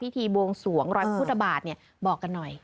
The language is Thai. พิธีบวงสวงรอยพุทธบาทบอกกันหน่อย